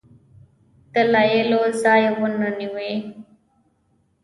دلایلو ځای ونه نیوی.